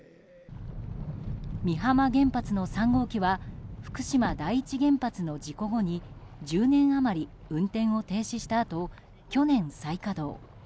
美浜原発の３号機は福島第一原発の事故後に１０年余り運転を停止したあと去年、再稼働。